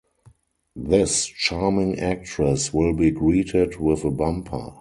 This charming actress will be greeted with a bumper.